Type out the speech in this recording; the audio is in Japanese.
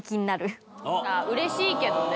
うれしいけどね。